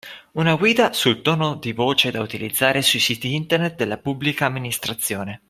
Una guida sul tono di voce da utilizzare sui siti internet della Pubblica Amministrazione